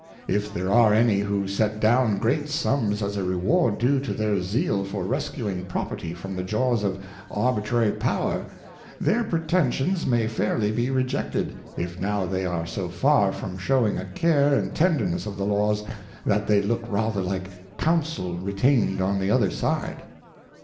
If there are any who set down great Sums as a Reward due to their Zeal for rescuing Property from the Jaws of Arbitrary Power ; their pretensions may fairly be rejected, if now they | are so far from shewing a care and tenderness of the Laws, that they look rather like Counsel retained on the other side.